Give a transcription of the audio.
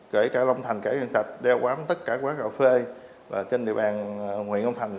quảng thành cả nguyễn trạch đeo bám tất cả quán cà phê trên địa bàn huyện nguyễn trạch